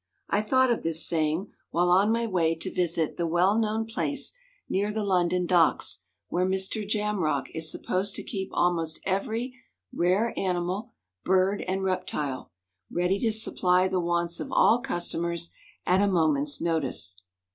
I thought of this saying while on my way to visit the well known place near the London Docks where Mr. Jamrach is supposed to keep almost every rare animal, bird, and reptile, ready to supply the wants of all customers at a moment's notice.